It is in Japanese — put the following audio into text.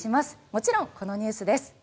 もちろんこのニュースです。